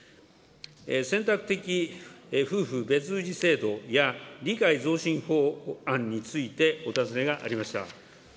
選択的夫婦別氏制度や理解増進法案について、お尋ねがありました。